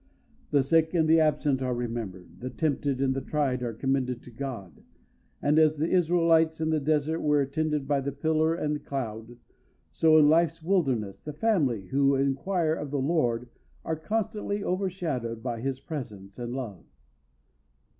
The sick and the absent are remembered, the tempted and the tried are commended to God, and, as the Israelites in the desert were attended by the pillar and cloud, so in life's wilderness the family who inquire of the Lord are constantly overshadowed by his presence and love.